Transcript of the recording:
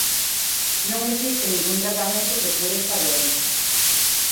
Non existe ningún tratamento que cure esta doenza.